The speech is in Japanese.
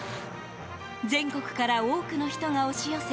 全国から多くの人が押し寄せ